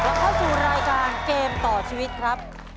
เข้าสู่รายการเกมต่อชีวิตครับ